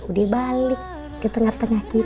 di balik ke tengah tengah kita